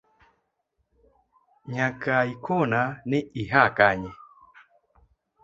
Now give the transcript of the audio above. Nyakaikona ni hiya kanye.